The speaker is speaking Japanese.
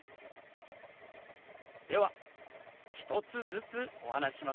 では１つずつお話ししますよ。